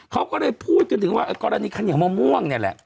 เขาก็เลยพูดกันถึงว่ากรณีข้าวเหนียวมะม่วงเนี่ยแหละ